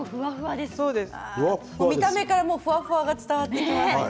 見た目からふわふわが伝わってきます。